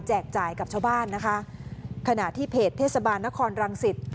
จ่ายกับชาวบ้านนะคะขณะที่เพจเทศบาลนครรังสิต